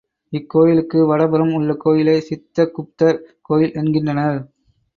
இக்கோயிலுக்கு வடபுறம் உள்ள கோயிலை சித்த குப்தர் கோயில் என்கின்றனர்.